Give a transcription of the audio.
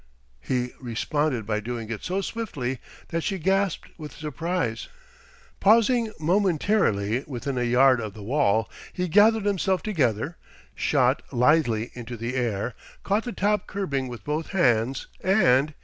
He responded by doing it so swiftly that she gasped with surprise: pausing momentarily within a yard of the wall, he gathered himself together, shot lithely into the air, caught the top curbing with both hands, and...